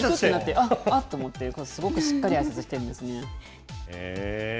あっ、あってなって、すごくしっかりあいさつしているんですね。